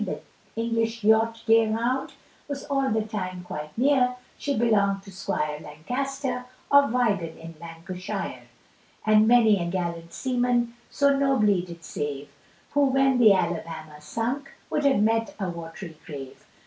The English Yacht Deerhound Was all the time quite near, She belonged to Squire Lancaster, Of Wigan in Lancashire; And many a gallant seaman So nobly did save, Who when the Alabama sunk Would have met a watery grave.